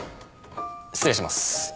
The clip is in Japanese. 失礼します。